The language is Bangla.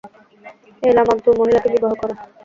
এই লামাক দু মহিলাকে বিবাহ করে।